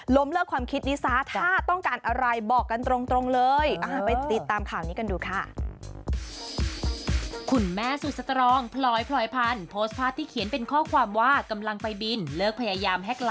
เลิกความคิดนี้ซะถ้าต้องการอะไรบอกกันตรงเลย